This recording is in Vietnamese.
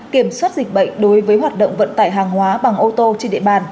kiểm soát dịch bệnh đối với hoạt động vận tải hàng hóa bằng ô tô trên địa bàn